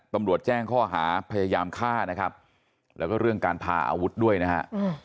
ตำรวจแจ้งข้อหาพยายามฆ่านะครับแล้วก็เรื่องการพาอาวุธด้วยนะฮะ